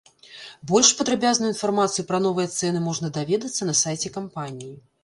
Больш падрабязную інфармацыю пра новыя цэны можна даведацца на сайце кампаніі.